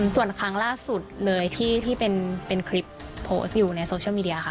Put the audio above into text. ส่วนครั้งล่าสุดเลยที่เป็นคลิปโพสต์อยู่ในโซเชียลมีเดียค่ะ